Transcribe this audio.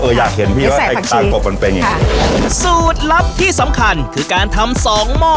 อยากเห็นพี่ว่าไข่คางกบมันเป็นยังไงสูตรลับที่สำคัญคือการทำสองหม้อ